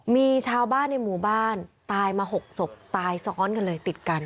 มีชาวบ้านในหมู่บ้านตายมา๖ศพตายซ้อนกันเลยติดกัน